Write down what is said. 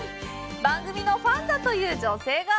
番組のファンだという女性が。